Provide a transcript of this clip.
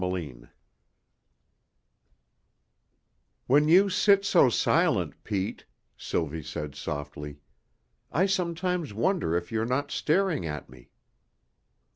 CHAPTER XII "When you sit so silent, Pete," Sylvie said softly, "I sometimes wonder if you're not staring at me."